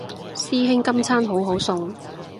師兄今餐好好餸